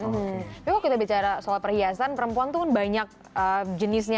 tapi kalau kita bicara soal perhiasan perempuan tuh banyak jenisnya